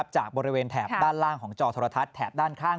จากบริเวณแถบด้านล่างของจอโทรทัศน์แถบด้านข้าง